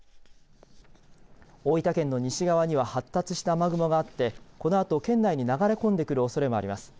大分県の西側には発達した雨雲があってこのあと県内に流れ込んでくるおそれもあります。